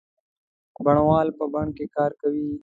بڼوال په بڼ کې کار کوي.